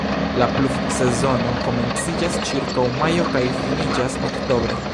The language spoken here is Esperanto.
La pluvsezono komenciĝas ĉirkaŭ majo kaj finiĝas oktobre.